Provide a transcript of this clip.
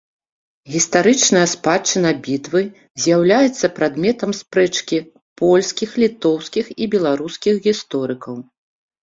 Гістарычная спадчына бітвы з'яўляецца прадметам спрэчкі польскіх, літоўскіх і беларускіх гісторыкаў.